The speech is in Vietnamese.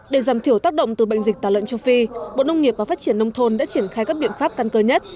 để giảm thiểu tác động từ bệnh dịch tả lợn châu phi bộ nông nghiệp và phát triển nông thôn đã triển khai các biện pháp căn cơ nhất